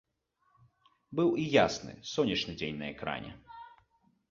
Быў і ясны, сонечны дзень на экране.